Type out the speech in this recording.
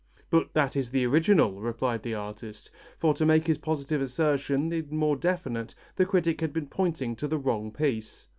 "But that is the original," replied the artist, for to make his positive assertion the more definite the critic had been pointing to the wrong piece.